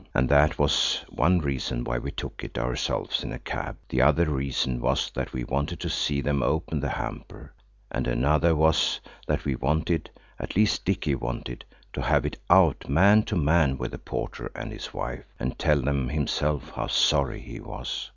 And that was one reason why we took it ourselves in a cab. The other reason was that we wanted to see them open the hamper, and another was that we wanted–at least Dicky wanted–to have it out man to man with the porter and his wife, and tell them himself how sorry he was.